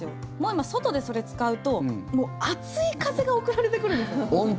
今はそれを外で使うと熱い風が送られてくるんですよ。